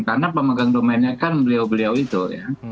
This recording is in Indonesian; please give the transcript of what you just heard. karena pemegang domennya kan beliau beliau itu ya